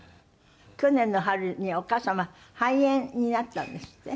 去年の春にお母様肺炎になったんですって？